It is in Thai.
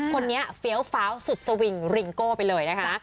คนนี้เฟี้ยวฟ้าวสุดสวิงริงโก้ไปเลยนะคะ